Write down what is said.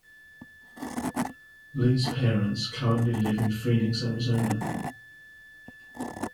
Lee's parents currently live in Phoenix, Arizona.